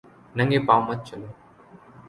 ننگے پاؤں مت چلو